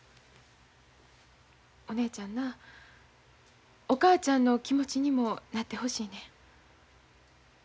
お姉ちゃんなお母ちゃんの気持ちにもなってほしいねん。